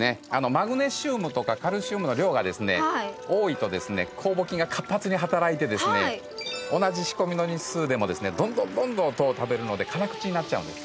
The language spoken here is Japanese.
マグネシウムとかカルシウムの量が多いと酵母菌が活発に働いて同じ仕込みの日数でもですねどんどんどんどん糖を食べるので辛口になっちゃうんです